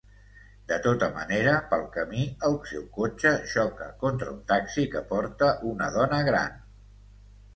De tota manera, pel camí el seu cotxe xoca contra un taxi que porta una dona gran.